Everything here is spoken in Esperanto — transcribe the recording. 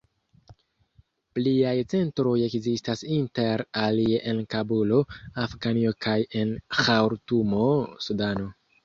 Pliaj centroj ekzistas inter alie en Kabulo, Afganio kaj en Ĥartumo, Sudano.